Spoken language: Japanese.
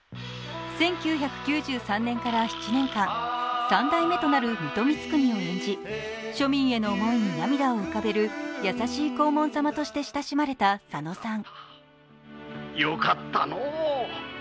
１９９３年から７年間三代目となる水戸光圀を演じ庶民への思いに涙を浮かべる優しい黄門様として親しまれた佐野さん。